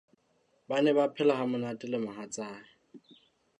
Ba ne ba phela hamonate le mohatsae.